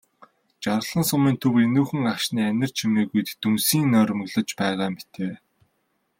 Жаргалан сумын төв энүүхэн агшны анир чимээгүйд дүнсийн нойрмоглож байгаа мэтээ.